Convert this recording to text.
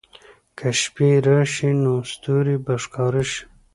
که شپې راشي، نو ستوري به ښکاره شي.